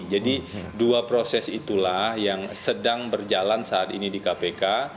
jadi dua proses itulah yang sedang berjalan saat ini di kpk